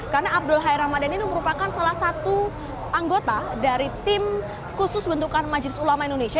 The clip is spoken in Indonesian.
karena abdul hai ramadan ini merupakan salah satu anggota dari tim khusus bentukan majelis ulama indonesia